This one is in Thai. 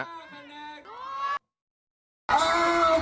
อ้าว